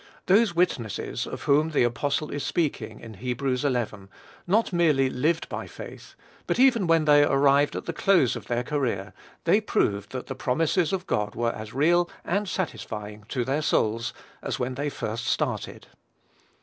Those "witnesses," of whom the apostle is speaking in Heb. xi. not merely lived by faith, but even when they arrived at the close of their career, they proved that the promises of God were as real and satisfying to their souls as when they first started.